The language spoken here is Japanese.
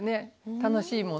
楽しいもの。